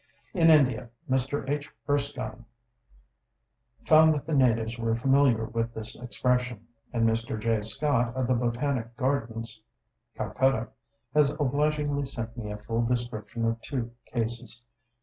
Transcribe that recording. In India Mr. H. Erskine found that the natives were familiar with this expression; and Mr. J. Scott, of the Botanic Gardens, Calcutta, has obligingly sent me a full description of two cases.